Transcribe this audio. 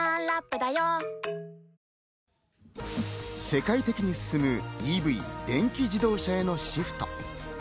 世界的に進むＥＶ電気自動車へのシフト。